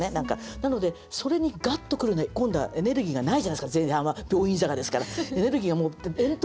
なのでそれにガッと来るね今度はエネルギーがないじゃないですか前半は「病院坂」ですから。